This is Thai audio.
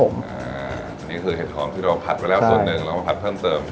อันนี้คือเห็ดหอมที่เราผัดไปแล้วส่วนหนึ่งเรามาผัดเพิ่มเติม